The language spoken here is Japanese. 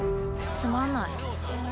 つまんない。